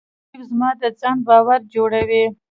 رقیب زما د ځان باور جوړوي